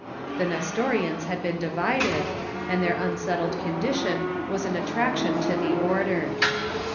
The Nestorians had been divided, and their unsettled condition was an attraction to the order.